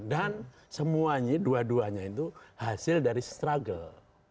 dan semuanya dua duanya itu hasil dari struggle